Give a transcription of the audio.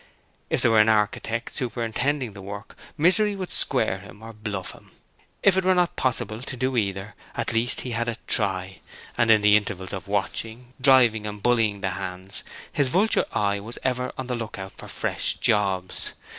If there were an architect superintending the work, Misery would square him or bluff him. If it were not possible to do either, at least he had a try; and in the intervals of watching, driving and bullying the hands, his vulture eye was ever on the look out for fresh jobs.